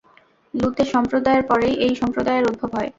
লূতের সম্প্রদায়ের পরেই এই সম্প্রদায়ের উদ্ভব হয়।